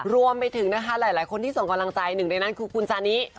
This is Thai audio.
รวมไปถึงนะคะหลายคนที่ส่งกำลังใจหนึ่งในนั้นคือคุณซานิ